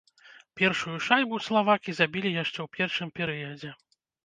Першую шайбу славакі забілі яшчэ ў першым перыядзе.